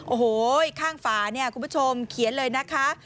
โอ้โหข้างฝาเนี่ยคุณผู้ชมเขียนเลยนะคะ